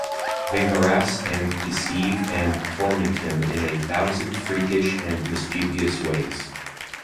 They harass and deceive and torment him in a thousand freakish and mischievous ways.